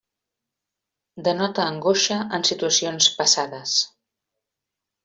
Denota angoixa en situacions passades.